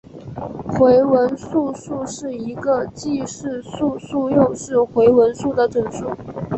回文素数是一个既是素数又是回文数的整数。